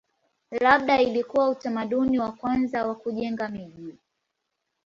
Labda ilikuwa utamaduni wa kwanza wa kujenga miji.